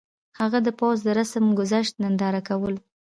هغه د پوځ د رسم ګذشت ننداره کوله.